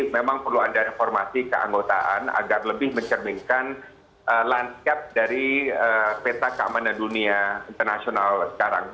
memang perlu ada reformasi keanggotaan agar lebih mencerminkan landscape dari peta keamanan dunia internasional sekarang